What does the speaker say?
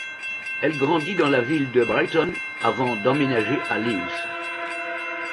Elle grandit dans la ville de Brighton, avant d'emménager à Lewes.